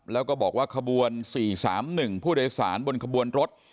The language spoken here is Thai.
แล้วก็บอกว่าขบวน๔๓๑ผู้โดยสารบนขบวนรถ